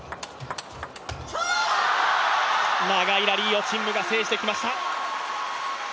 長いラリーを陳夢が制してきました。